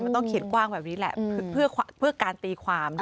มันต้องเขียนกว้างแบบนี้แหละเพื่อการตีความ